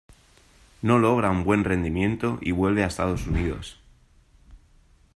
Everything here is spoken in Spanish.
No logra un buen rendimiento y vuelve a Estados Unidos.